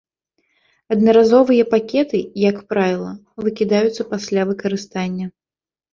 Аднаразовыя пакеты, як правіла, выкідаюцца пасля выкарыстання.